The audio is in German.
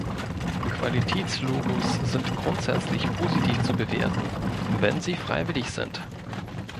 Qualitätslogos sind grundsätzlich positiv zu bewerten, wenn sie freiwillig sind.